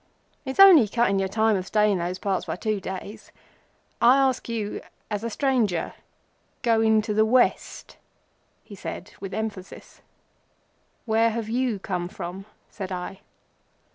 It's only cutting your time of stay in those parts by two days. I ask you as a stranger—going to the West," he said with emphasis. "Where have you come from?" said I.